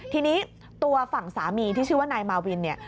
ทีนี้ตัวฝั่งสามีที่ชื่อว่านายมาวินเนี่ย